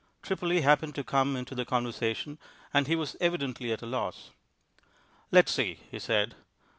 Tripoli happened to come into the conversation, and he was evidently at a loss. "Let's see," he said.